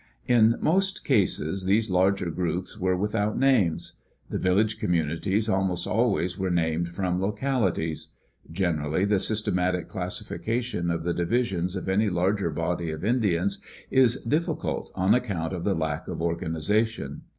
In most cases these larger groups were without names. The village communities almost always were named from localities. Gen erally the systematic classification of the divisions of any larger body of Indians is difficult on account of the lack of organization.